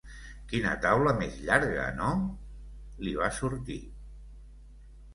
Quina taula més llarga, no? —li va sortir.